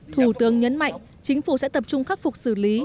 thủ tướng nhấn mạnh chính phủ sẽ tập trung khắc phục xử lý